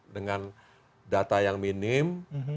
dengan data yang minim